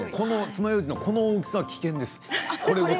つまようじのこの大きさは危険です。